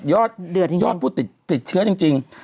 ยอดผู้ติดเชื้อจริง